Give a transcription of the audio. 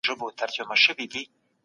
حکومتونه د شخصي ملکیت ساتنه کوي.